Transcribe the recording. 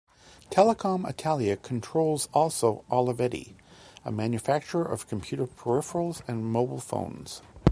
Telecom Italia controls also Olivetti, a manufacturer of computer peripherals and mobile phones.